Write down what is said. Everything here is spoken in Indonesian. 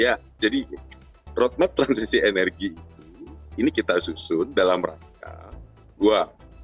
ya jadi roadmap transisi energi itu ini kita susun dalam rangka dua